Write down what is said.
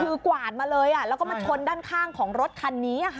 คือกวาดมาเลยแล้วก็มาชนด้านข้างของรถคันนี้ค่ะ